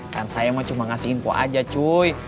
kan saya mau cuma ngasih info aja cuy